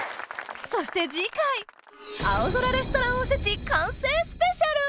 そして次回青空レストランおせち完成スペシャル！